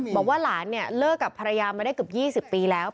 บอกว่าหลานเลิกกับภรรยามาได้กับ๒๐ปีแล้ว